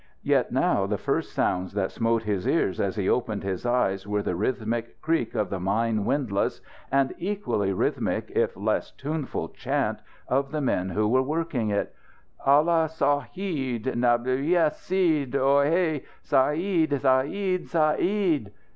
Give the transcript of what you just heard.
Yet now the first sounds that smote his ears as he opened his eyes were the rhythmic creak of the mine windlass and equally rhythmic, if less tuneful, chant of the men who were working it; _"All ah sa eed! Ne bi sa eed! Ohé! Sa eed! Sa eed! Sa EED!"